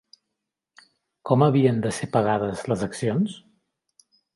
Com havien de ser pagades les accions?